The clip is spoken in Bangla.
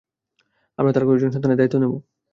আমরা তার কয়েকজন সন্তানের দায়িত্ব নেব।